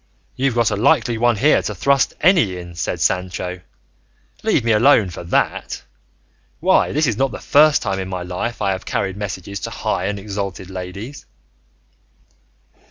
"You've got a likely one here to thrust any in!" said Sancho; "leave me alone for that! Why, this is not the first time in my life I have carried messages to high and exalted ladies."